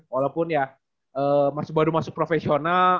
walaupun ya baru masuk profesional